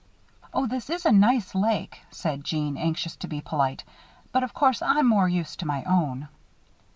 "Oh, this is a nice lake," said Jeanne, anxious to be polite, "but, of course, I'm more used to my own."